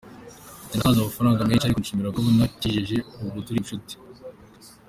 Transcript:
Ati “Natanze amafaranga menshi ariko nishimira ko abo nakijije ubu turi inshuti.